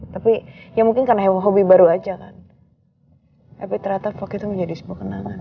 tapi ya mungkin karena hobi baru aja kan epiteriator itu menjadi sebuah kenangan